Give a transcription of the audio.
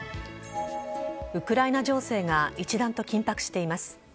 ウクライナ情勢が一段と緊迫しています。